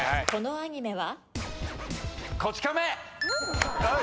このアニメは？